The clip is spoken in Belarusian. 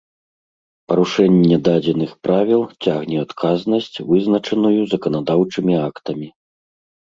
Парушэнне дадзеных Правіл цягне адказнасць, вызначаную заканадаўчымі актамі